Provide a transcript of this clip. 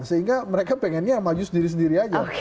sehingga mereka pengennya maju sendiri sendiri aja